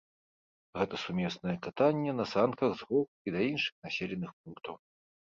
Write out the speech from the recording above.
Гэта сумеснае катанне на санках з гор і да іншых населеных пунктаў.